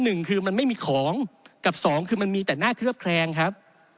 หนึ่งคือมันไม่มีของกับสองคือมันมีแต่หน้าเคลือบแคลงครับ